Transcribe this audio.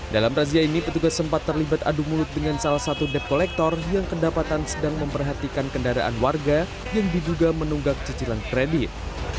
dalam razia ini petugas sempat terlibat adu mulut dengan salah satu dep kolektor yang kedapatan sedang memperhatikan kendaraan warga yang diduga menunggak cicilan kredit